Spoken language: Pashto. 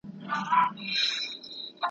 مور دي نه سي پر هغو زمریو بوره ,